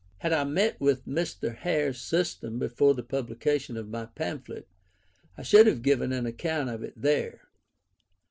Had I met with Mr. Hare's system before the publication of my pamphlet, I should have given an account of it there.